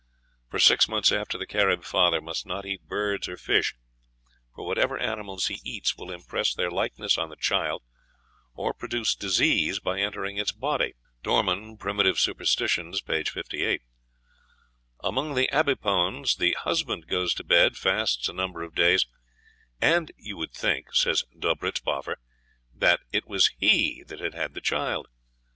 "For six months the Carib father must not eat birds or fish, for what ever animals he eats will impress their likeness on the child, or produce disease by entering its body." (Dorman, "Prim. Superst.," p. 58.) Among the Abipones the husband goes to bed, fasts a number of days, "and you would think," says Dobrizboffer, "that it was he that had had the child."